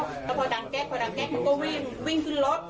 แล้วพอดังแก๊กหนูก็วิ่งวิ่งขึ้นรถ